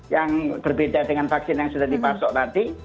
yang berbeda dengan vaksin yang sudah dipasok tadi